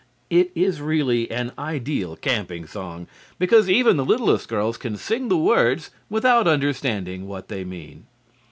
It is really an ideal camping song, because even the littlest girls can sing the words without understanding what they mean.